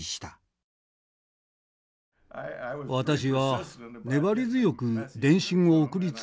私は粘り強く電信を送り続けました。